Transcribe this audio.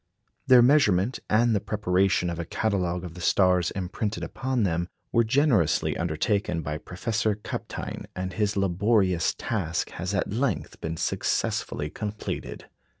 Their measurement, and the preparation of a catalogue of the stars imprinted upon them, were generously undertaken by Professor Kapteyn, and his laborious task has at length been successfully completed.